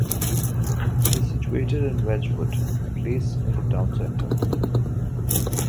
It is situated in Wedgwood Place in the town centre.